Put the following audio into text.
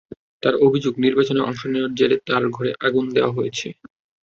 তাঁর অভিযোগ, নির্বাচনে অংশ নেওয়ার জেরে তাঁর ঘরে আগুন দেওয়া হয়েছে।